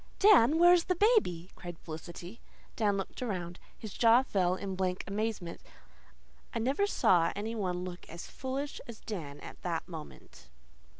"Dan, where's the baby?" cried Felicity. Dan looked around. His jaw fell in blank amazement. I never saw any one look as foolish as Dan at that moment.